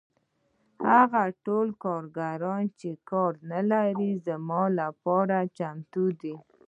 هغه ټول کارګران چې کار نلري زما لپاره چمتو دي